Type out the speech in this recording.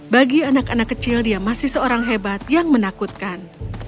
bagi anak anak kecil dia masih seorang hebat yang menakutkan